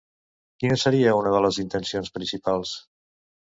Quina seria una de les intencions principals?